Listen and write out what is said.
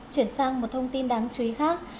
chuyển sang một thông tin đáng chú ý khác